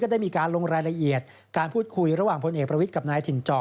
ได้มีการลงรายละเอียดการพูดคุยระหว่างพลเอกประวิทย์กับนายถิ่นจอ